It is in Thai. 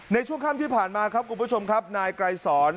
ในช่วงค่ำที่ผ่านมาครับคุณผู้ชมครับนายไกรสอน